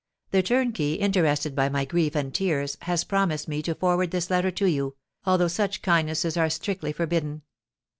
The turnkey, interested by my grief and tears, has promised me to forward this letter to you, although such kindnesses are strictly forbidden.